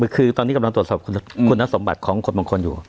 คือตอนนี้กำลังตรวจสอบคุณสมบัติของคนบางคนอยู่